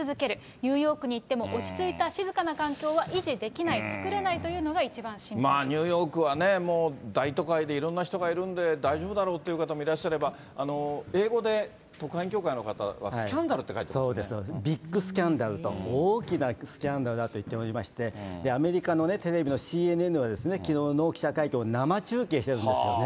ニューヨークに行っても落ち着いた静かな環境は維持できない、作れないというのが、ニューヨークはね、もう大都会で、いろんな人がいるんで、大丈夫だろうという方もいらっしゃれば、英語で、特派員協会の方が、そうですね、ビッグスキャンダルと、大きなスキャンダルだといっておりまして、アメリカのテレビのＣＮＮは、きのうの記者会見を生中継してるんですよね。